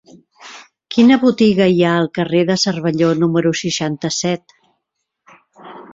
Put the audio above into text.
Quina botiga hi ha al carrer de Cervelló número seixanta-set?